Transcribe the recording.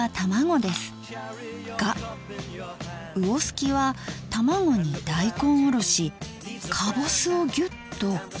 が魚すきは卵に大根おろしかぼすをギュッと。